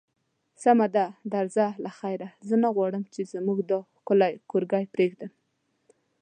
سمه ده، درځه له خیره، زه نه غواړم چې زموږ دا ښکلی کورګی پرېږدم.